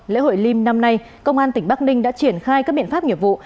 lễ hội lim năm nay công an tỉnh bắc ninh đã triển khai các biện pháp nghiệp vụ